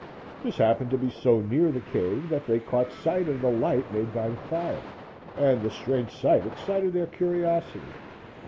This happened to be so near the cave that they caught sight of the light made by the fire, and the strange sight excited their curiosity.